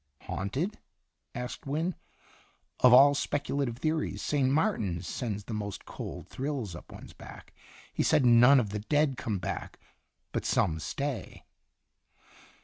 " Haunted?" asked Wynne. " Of all spec ulative theories, St. Martin's sends the most cold thrills up one's back. He said none of the dead come back, but some stay."